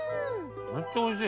めっちゃおいしい。